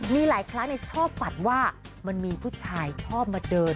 มีหลายครั้งชอบฝันว่ามันมีผู้ชายชอบมาเดิน